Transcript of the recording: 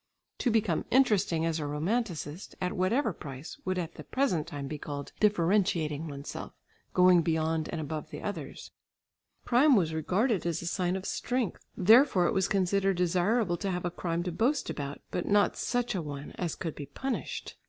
To become interesting as a romanticist at whatever price would at the present time be called "differentiating oneself, going beyond and above the others." Crime was regarded as a sign of strength, therefore it was considered desirable to have a crime to boast about, but not such a one as could be punished.